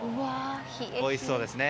おいしそうですね。